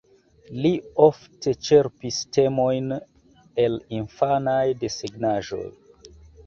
Li ofte ĉerpis temojn el infanaj desegnaĵoj.